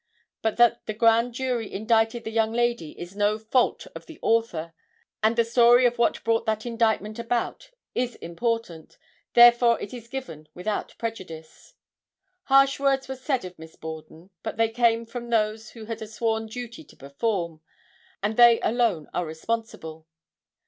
But that the grand jury indicted the young lady is no fault of the author, and the story of what brought that indictment about is important, therefore it is given without prejudice. Harsh words were said of Miss Borden, but they came from those who had a sworn duty to perform, and they alone are responsible.